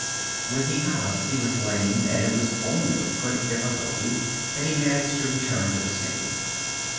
When he got up he was lame and it was only with great difficulty that he managed to return to the stable.